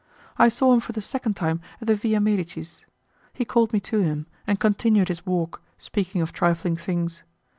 I saw him for the second time at the Villa Medicis. He called me to him, and continued his walk, speaking of trifling things.